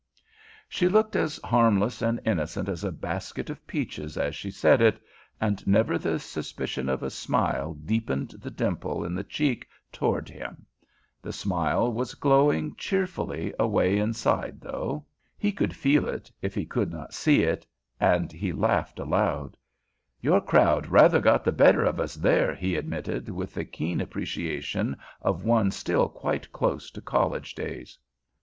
She looked as harmless and innocent as a basket of peaches as she said it, and never the suspicion of a smile deepened the dimple in the cheek toward him. The smile was glowing cheerfully away inside, though. He could feel it, if he could not see it, and he laughed aloud. "Your crowd rather got the better of us there," he admitted with the keen appreciation of one still quite close to college days.